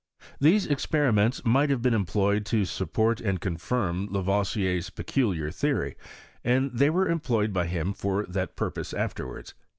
These experiments might have been employed to support and confirm Lavoisier's peculiar theory, and they were employed by him for that purpose afterwards.